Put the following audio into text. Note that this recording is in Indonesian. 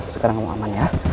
sekarang kamu aman ya